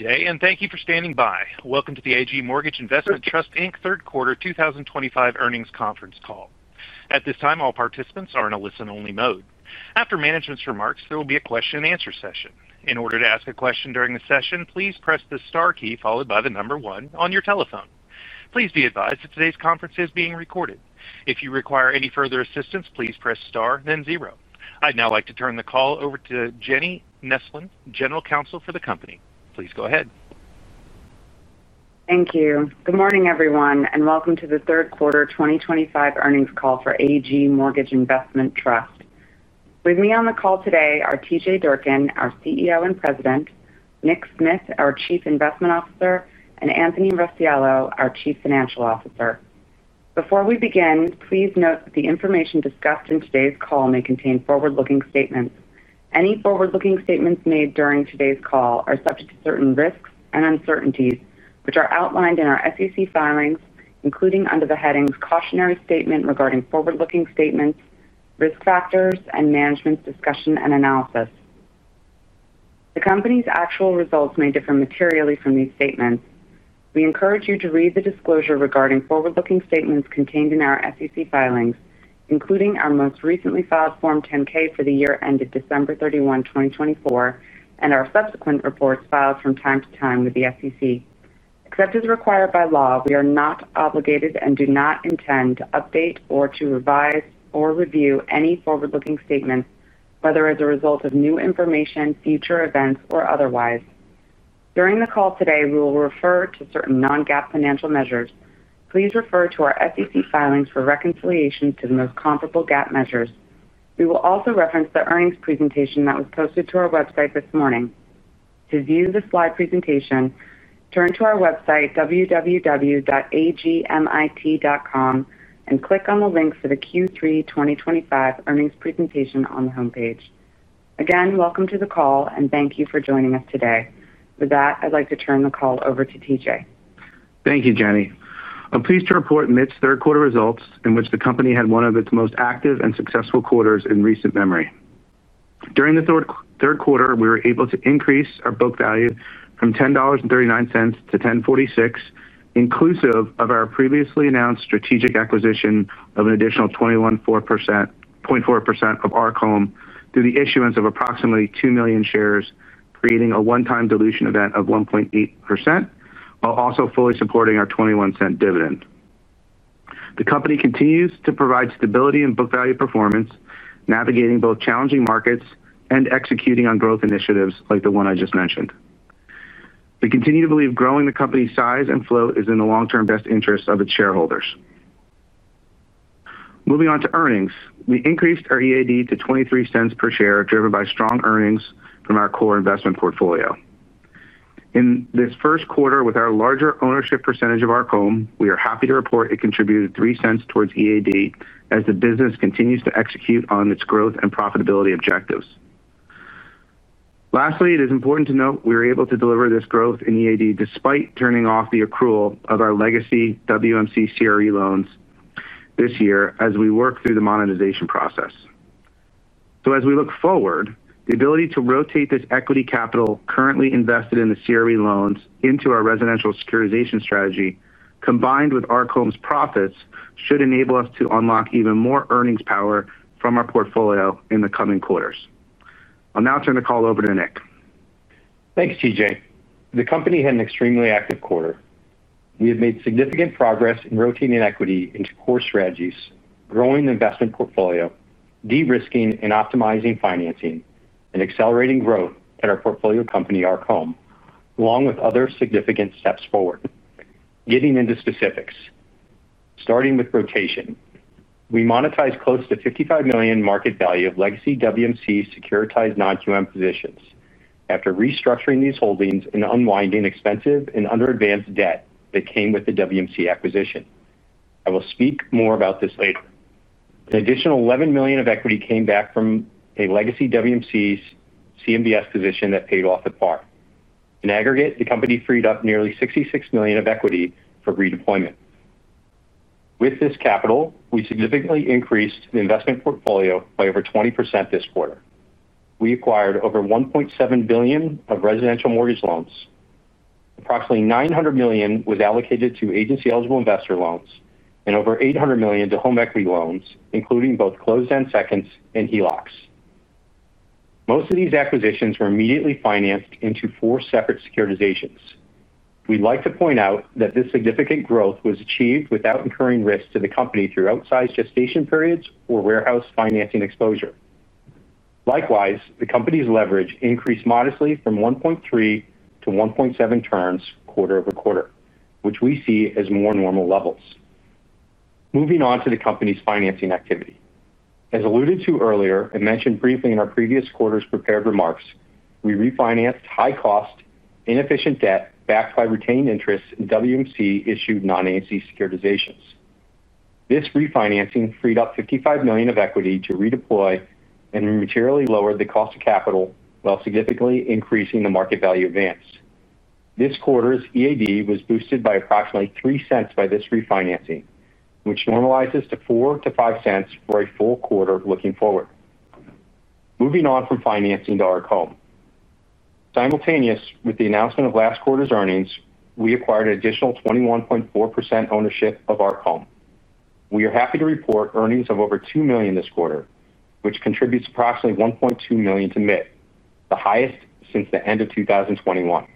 Today, and thank you for standing by. Welcome to the AG Mortgage Investment Trust third quarter 2025 earnings conference call. At this time, all participants are in a listen-only mode. After management's remarks, there will be a question-and-answer session. In order to ask a question during the session, please press the star key followed by the number one on your telephone. Please be advised that today's conference is being recorded. If you require any further assistance, please press star, then zero. I'd now like to turn the call over to Jenny Neslin, General Counsel for the company. Please go ahead. Thank you. Good morning, everyone, and welcome to the third quarter 2025 earnings call for AG Mortgage Investment Trust. With me on the call today are T.J. Durkin, our CEO and President; Nick Smith, our Chief Investment Officer; and Anthony Rossiello, our Chief Financial Officer. Before we begin, please note that the information discussed in today's call may contain forward-looking statements. Any forward-looking statements made during today's call are subject to certain risks and uncertainties, which are outlined in our SEC filings, including under the headings "Cautionary Statement Regarding Forward-Looking Statements," "Risk Factors," and "Management's Discussion and Analysis." The company's actual results may differ materially from these statements. We encourage you to read the disclosure regarding forward-looking statements contained in our SEC filings, including our most recently filed Form 10-K for the year ended December 31, 2024, and our subsequent reports filed from time to time with the SEC. Except as required by law, we are not obligated and do not intend to update or to revise or review any forward-looking statements, whether as a result of new information, future events, or otherwise. During the call today, we will refer to certain non-GAAP financial measures. Please refer to our SEC filings for reconciliation to the most comparable GAAP measures. We will also reference the earnings presentation that was posted to our website this morning. To view the slide presentation, turn to our website, www.agmit.com, and click on the links to the Q3 2025 earnings presentation on the homepage. Again, welcome to the call, and thank you for joining us today. With that, I'd like to turn the call over to T.J. Thank you, Jenny. I'm pleased to report amidst third-quarter results in which the company had one of its most active and successful quarters in recent memory. During the third quarter, we were able to increase our book value from $10.39 to $10.46, inclusive of our previously announced strategic acquisition of an additional 21.4% of Arc Home through the issuance of approximately 2 million shares, creating a one-time dilution event of 1.8%, while also fully supporting our $0.21 dividend. The company continues to provide stability in book value performance, navigating both challenging markets and executing on growth initiatives like the one I just mentioned. We continue to believe growing the company's size and flow is in the long-term best interest of its shareholders. Moving on to earnings, we increased our EAD to $0.23 per share, driven by strong earnings from our core investment portfolio. In this first quarter, with our larger ownership percentage of Arc Home, we are happy to report it contributed $0.03 towards EAD as the business continues to execute on its growth and profitability objectives. Lastly, it is important to note we were able to deliver this growth in EAD despite turning off the accrual of our legacy WMC CRE loans this year as we work through the monetization process. As we look forward, the ability to rotate this equity capital currently invested in the CRE loans into our residential securitization strategy, combined with Arc Home's profits, should enable us to unlock even more earnings power from our portfolio in the coming quarters. I'll now turn the call over to Nick. Thanks, T.J. The company had an extremely active quarter. We have made significant progress in rotating equity into core strategies, growing the investment portfolio, de-risking and optimizing financing, and accelerating growth at our portfolio company, Arc Home, along with other significant steps forward. Getting into specifics. Starting with rotation, we monetized close to $55 million market value of legacy WMC securitized non-QM positions after restructuring these holdings and unwinding expensive and under-advanced debt that came with the WMC acquisition. I will speak more about this later. An additional $11 million of equity came back from a legacy WMC CMBS position that paid off at par. In aggregate, the company freed up nearly $66 million of equity for redeployment. With this capital, we significantly increased the investment portfolio by over 20% this quarter. We acquired over $1.7 billion of residential mortgage loans. Approximately $900 million was allocated to agency-eligible investor loans and over $800 million to home equity loans, including both closed-end seconds and HELOCs. Most of these acquisitions were immediately financed into four separate securitizations. We'd like to point out that this significant growth was achieved without incurring risk to the company through outsized gestation periods or warehouse financing exposure. Likewise, the company's leverage increased modestly from 1.3 to 1.7 turns quarter over quarter, which we see as more normal levels. Moving on to the company's financing activity. As alluded to earlier and mentioned briefly in our previous quarter's prepared remarks, we refinanced high-cost, inefficient debt backed by retained interest in WMC-issued non-agency securitizations. This refinancing freed up $55 million of equity to redeploy and materially lowered the cost of capital while significantly increasing the market value advance. This quarter's EAD was boosted by approximately $0.03 by this refinancing, which normalizes to $0.04-$0.05 for a full quarter looking forward. Moving on from financing to Arc Home. Simultaneous with the announcement of last quarter's earnings, we acquired an additional 21.4% ownership of Arc Home. We are happy to report earnings of over $2 million this quarter, which contributes approximately $1.2 million to MITT, the highest since the end of 2021.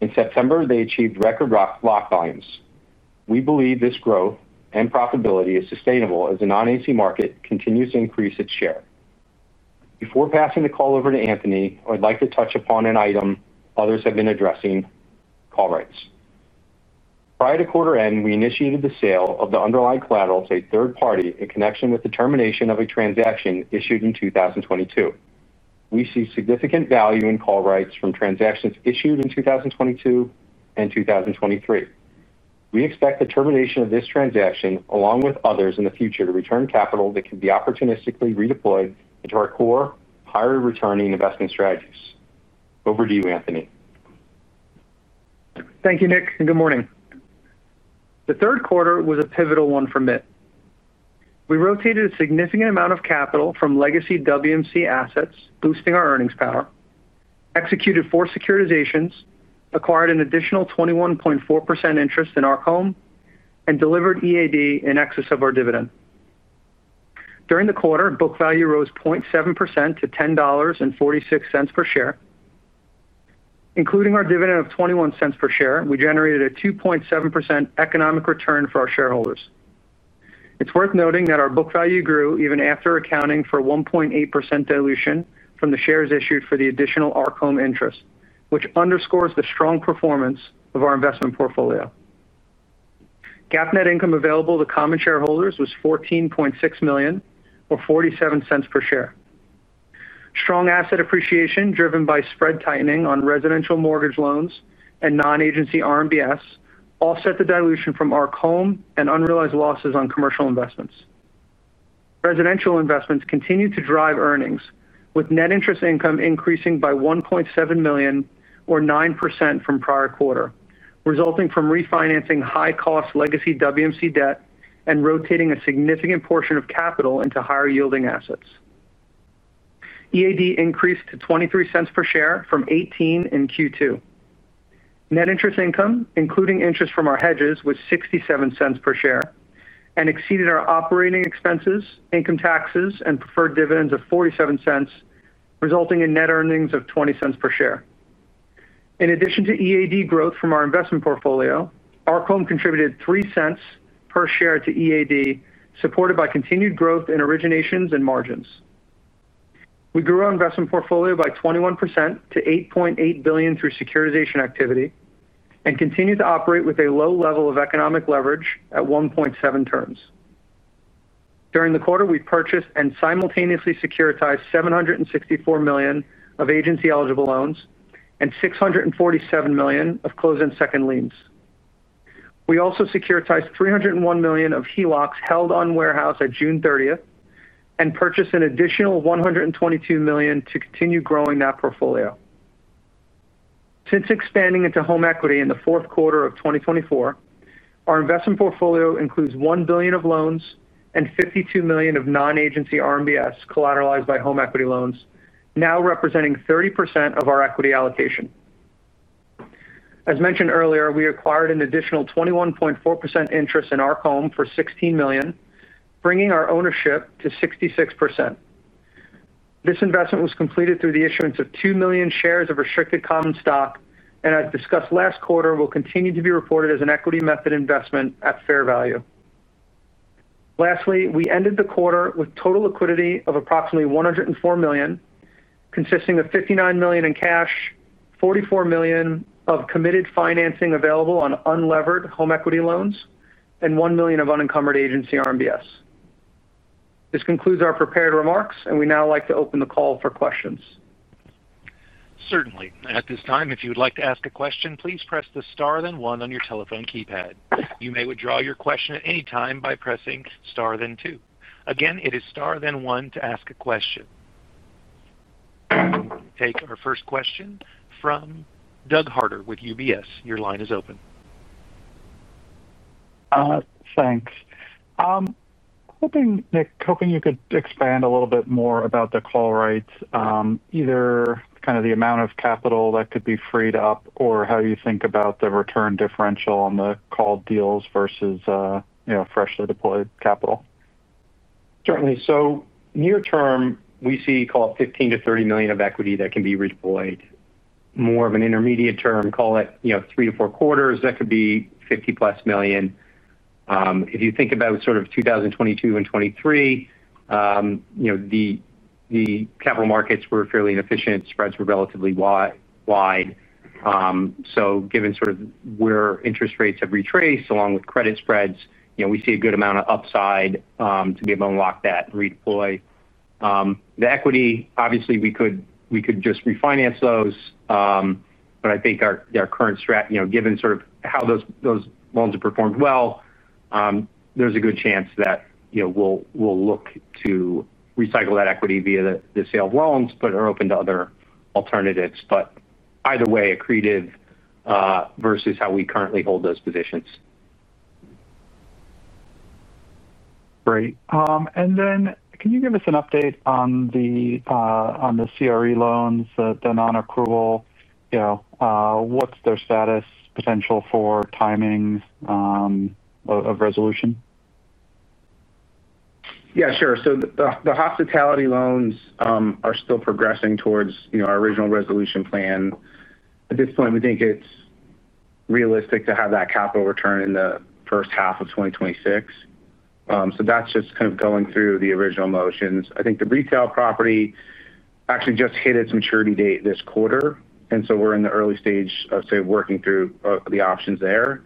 In September, they achieved record lock volumes. We believe this growth and profitability is sustainable as the non-agency market continues to increase its share. Before passing the call over to Anthony, I would like to touch upon an item others have been addressing: call rights. Prior to quarter end, we initiated the sale of the underlying collateral to a third party in connection with the termination of a transaction issued in 2022. We see significant value in call rights from transactions issued in 2022 and 2023. We expect the termination of this transaction, along with others in the future, to return capital that can be opportunistically redeployed into our core higher-returning investment strategies. Over to you, Anthony. Thank you, Nick, and good morning. The third quarter was a pivotal one for MITT. We rotated a significant amount of capital from legacy WMC assets, boosting our earnings power, executed four securitizations, acquired an additional 21.4% interest in Arc Home, and delivered EAD in excess of our dividend. During the quarter, book value rose 0.7% to $10.46 per share. Including our dividend of $0.21 per share, we generated a 2.7% economic return for our shareholders. It's worth noting that our book value grew even after accounting for a 1.8% dilution from the shares issued for the additional Arc Home interest, which underscores the strong performance of our investment portfolio. GAAP net income available to common shareholders was $14.6 million, or $0.47 per share. Strong asset appreciation driven by spread tightening on residential mortgage loans and non-agency RMBS offset the dilution from Arc Home and unrealized losses on commercial investments. Residential investments continue to drive earnings, with net interest income increasing by $1.7 million, or 9%, from prior quarter, resulting from refinancing high-cost legacy WMC debt and rotating a significant portion of capital into higher-yielding assets. EAD increased to $0.23 per share from $0.18 in Q2. Net interest income, including interest from our hedges, was $0.67 per share and exceeded our operating expenses, income taxes, and preferred dividends of $0.47, resulting in net earnings of $0.20 per share. In addition to EAD growth from our investment portfolio, Arc Home contributed $0.03 per share to EAD, supported by continued growth in originations and margins. We grew our investment portfolio by 21% to $8.8 billion through securitization activity and continue to operate with a low level of economic leverage at 1.7 turns. During the quarter, we purchased and simultaneously securitized $764 million of agency-eligible loans and $647 million of closed-end second liens. We also securitized $301 million of HELOCs held on warehouse at June 30 and purchased an additional $122 million to continue growing that portfolio. Since expanding into home equity in the fourth quarter of 2024, our investment portfolio includes $1 billion of loans and $52 million of non-agency RMBS collateralized by home equity loans, now representing 30% of our equity allocation. As mentioned earlier, we acquired an additional 21.4% interest in Arc Home for $16 million, bringing our ownership to 66%. This investment was completed through the issuance of 2 million shares of restricted common stock and, as discussed last quarter, will continue to be reported as an equity method investment at fair value. Lastly, we ended the quarter with total liquidity of approximately $104 million, consisting of $59 million in cash, $44 million of committed financing available on unlevered home equity loans, and $1 million of unencumbered agency RMBS. This concludes our prepared remarks, and we now like to open the call for questions. Certainly. At this time, if you would like to ask a question, please press the star then one on your telephone keypad. You may withdraw your question at any time by pressing star then two. Again, it is star then one to ask a question. Take our first question from Doug Harter with UBS. Your line is open. Thanks. Hoping, Nick, hoping you could expand a little bit more about the call rights, either kind of the amount of capital that could be freed up or how you think about the return differential on the called deals versus freshly deployed capital. Certainly. Near term, we see, call it $15 million-$30 million of equity that can be redeployed. More of an intermediate term, call it three to four quarters, that could be $50 million-plus. If you think about sort of 2022 and 2023, the capital markets were fairly inefficient, spreads were relatively wide. Given sort of where interest rates have retraced along with credit spreads, we see a good amount of upside to be able to unlock that and redeploy. The equity, obviously, we could just refinance those, but I think our current strategy, given sort of how those loans have performed well, there's a good chance that we'll look to recycle that equity via the sale of loans, but are open to other alternatives. Either way, accretive versus how we currently hold those positions. Great. Can you give us an update on the CRE loans, the non-accrual? What's their status, potential for timing of resolution? Yeah, sure. The hospitality loans are still progressing towards our original resolution plan. At this point, we think it's realistic to have that capital return in the first half of 2026. That's just kind of going through the original motions. I think the retail property actually just hit its maturity date this quarter, and we're in the early stage of, say, working through the options there.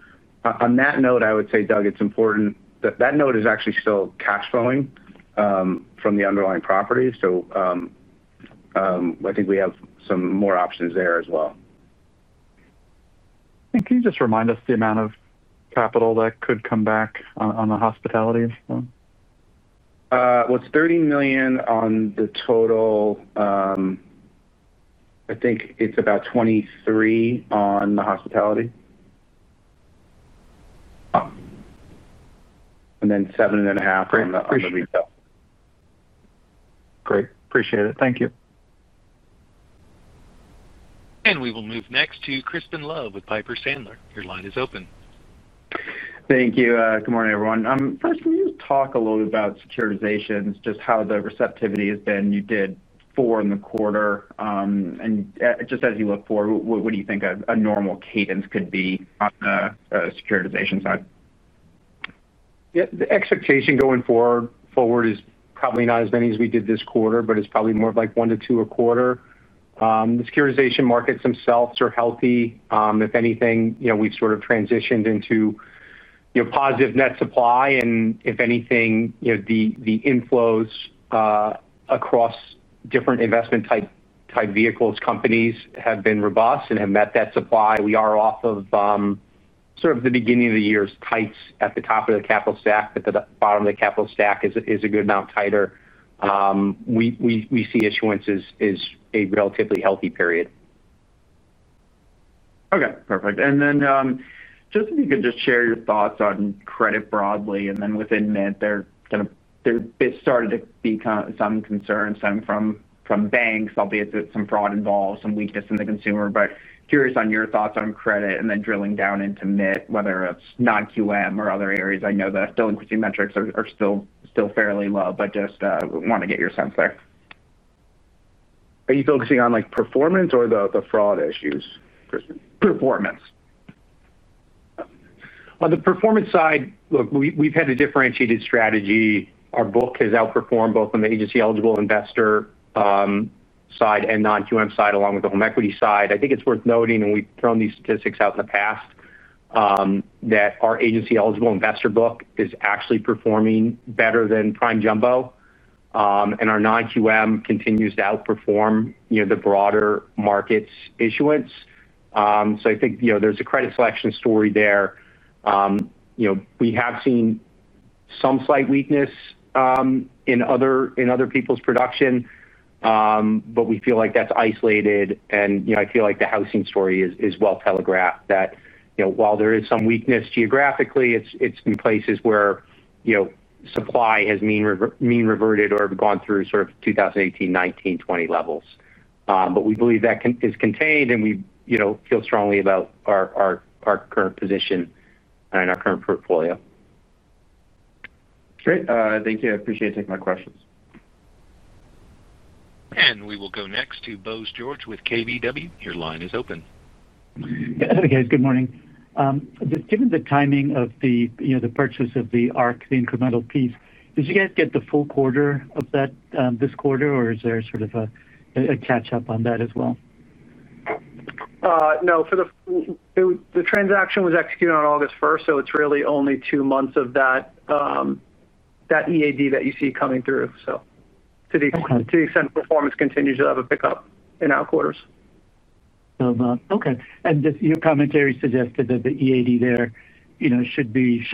On that note, I would say, Doug, it's important that that note is actually still cash flowing from the underlying property. I think we have some more options there as well. Can you just remind us the amount of capital that could come back on the hospitality? It's $30 million on the total. I think it's about $23 million on the hospitality and then $7.5 million on the retail. Great. Appreciate it. Thank you. We will move next to Crispin Love with Piper Sandler. Your line is open. Thank you. Good morning, everyone. First, can you just talk a little bit about securitization, just how the receptivity has been? You did four in the quarter. And just as you look forward, what do you think a normal cadence could be on the securitization side? Yeah. The expectation going forward is probably not as many as we did this quarter, but it's probably more of like one to two a quarter. The securitization markets themselves are healthy. If anything, we've sort of transitioned into positive net supply. And if anything, the inflows across different investment-type vehicles companies have been robust and have met that supply. We are off of sort of the beginning of the year's tights at the top of the capital stack, but the bottom of the capital stack is a good amount tighter. We see issuance as a relatively healthy period. Okay. Perfect. And then, just if you could just share your thoughts on credit broadly. And then within MITT, there started to be some concerns from banks, albeit some fraud involved, some weakness in the consumer. But curious on your thoughts on credit and then drilling down into MITT, whether it's non-QM or other areas. I know the delinquency metrics are still fairly low, but just want to get your sense there. Are you focusing on performance or the fraud issues, Kristen? Performance. On the performance side, look, we've had a differentiated strategy. Our book has outperformed both on the agency-eligible investor side and non-QM side, along with the home equity side. I think it's worth noting, and we've thrown these statistics out in the past, that our agency-eligible investor book is actually performing better than Prime Jumbo. And our non-QM continues to outperform the broader market's issuance. So, I think there's a credit selection story there. We have seen some slight weakness in other people's production, but we feel like that's isolated. I feel like the housing story is well telegraphed that while there is some weakness geographically, it's in places where supply has mean reverted or gone through sort of 2018, 2019, 2020 levels. But we believe that is contained, and we feel strongly about our current position and our current portfolio. Great. Thank you. I appreciate taking my questions. We will go next to Bose George with KBW. Your line is open. Hey, guys. Good morning. Just given the timing of the purchase of the Arc, the incremental piece, did you guys get the full quarter of this quarter, or is there sort of a catch-up on that as well? No. The transaction was executed on August 1st, so it's really only two months of that EAD that you see coming through. To the extent performance continues, you'll have a pickup in our quarters. Okay. Your commentary suggested that the EAD there should be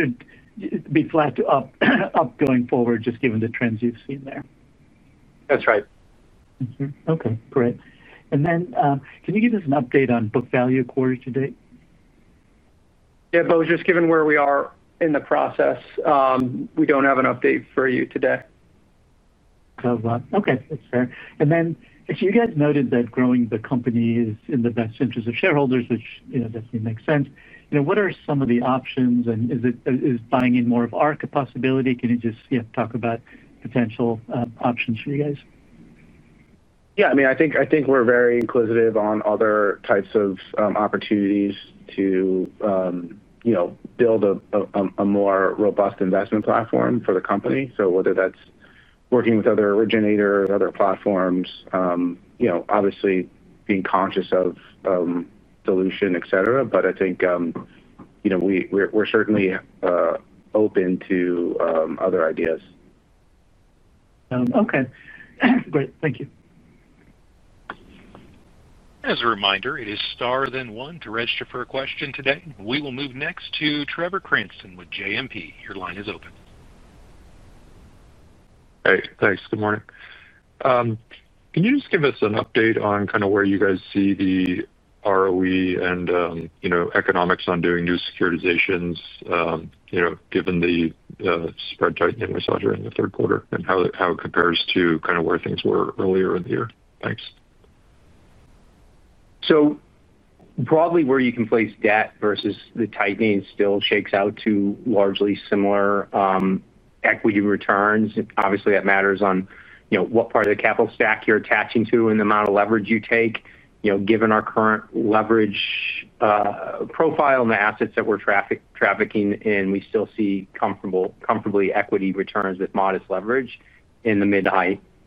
flat up going forward, just given the trends you've seen there. That's right. Okay. Great. Can you give us an update on book value quarter to date? Yeah. Bose, just given where we are in the process, we don't have an update for you today. Okay. That's fair. You guys noted that growing the company is in the best interest of shareholders, which definitely makes sense. What are some of the options? Is buying in more of Arc Home a possibility? Can you just talk about potential options for you guys? Yeah. I mean, I think we're very inquisitive on other types of opportunities to build a more robust investment platform for the company. So, whether that's working with other originators, other platforms, obviously being conscious of dilution, etc. But I think we're certainly open to other ideas. Okay. Great. Thank you. As a reminder, it is star then one to register for a question today. We will move next to Trevor Cranston with JMP. Your line is open. Hey. Thanks. Good morning. Can you just give us an update on kind of where you guys see the ROE and economics on doing new securitizations, given the spread tightening we saw during the third quarter and how it compares to kind of where things were earlier in the year? Thanks. Broadly, where you can place debt versus the tightening still shakes out to largely similar equity returns. Obviously, that matters on what part of the capital stack you're attaching to and the amount of leverage you take. Given our current leverage profile and the assets that we're trafficking in, we still see comfortably equity returns with modest leverage in the mid to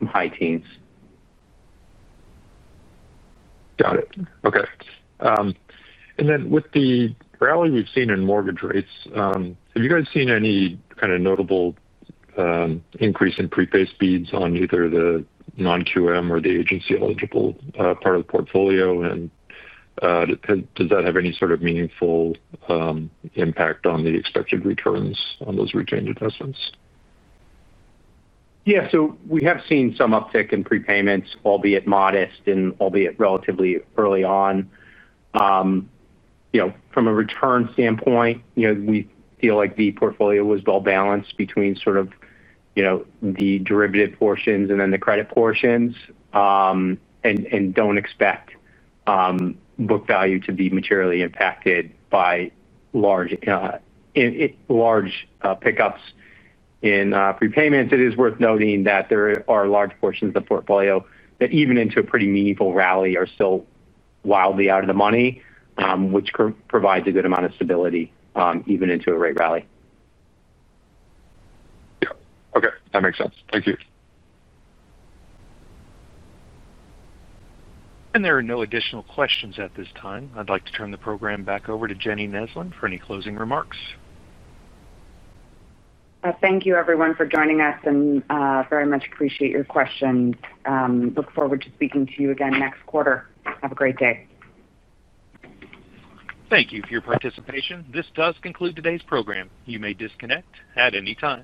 high teens. Got it. Okay. With the rally we've seen in mortgage rates, have you guys seen any kind of notable increase in prepaid speeds on either the non-QM or the agency-eligible part of the portfolio? Does that have any sort of meaningful impact on the expected returns on those retained investments? Yeah. We have seen some uptick in prepayments, albeit modest and albeit relatively early on. From a return standpoint, we feel like the portfolio was well balanced between sort of the derivative portions and then the credit portions. We do not expect book value to be materially impacted by large pickups in prepayments. It is worth noting that there are large portions of the portfolio that, even into a pretty meaningful rally, are still wildly out of the money, which provides a good amount of stability even into a rate rally. Yeah. Okay. That makes sense. Thank you. There are no additional questions at this time. I'd like to turn the program back over to Jenny Neslin for any closing remarks. Thank you, everyone, for joining us, and very much appreciate your questions. Look forward to speaking to you again next quarter. Have a great day. Thank you for your participation. This does conclude today's program. You may disconnect at any time.